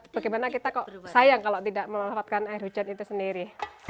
bagaimana kita kok sayang kalau tidak memanfaatkan air hujan itu sendiri